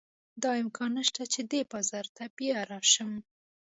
دا امکان نه شته چې دې بازار ته بیا راشم.